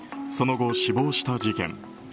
その後、死亡した事件。